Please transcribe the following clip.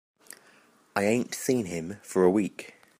I ain't seen him for a week.